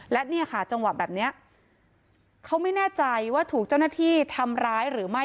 และเนี่ยค่ะจังหวะแบบนี้เขาไม่แน่ใจว่าถูกเจ้าหน้าที่ทำร้ายหรือไม่